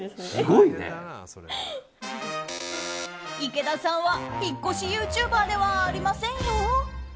池田さんは引っ越しユーチューバーではありませんよ！